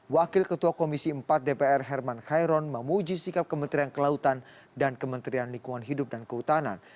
wakil ketua komisi empat dpr herman khairon memuji sikap kementerian kelautan dan kementerian lingkungan hidup dan kehutanan